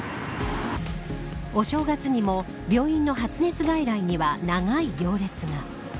お正月にも病院の発熱外来には長い行列が。